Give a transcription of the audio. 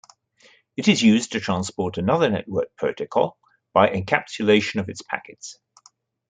It is used to transport another network protocol by encapsulation of its packets.